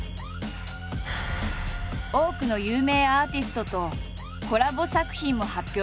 多くの有名アーティストとコラボ作品も発表している。